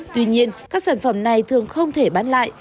tuy nhiên các sản phẩm này thường không thể bán lại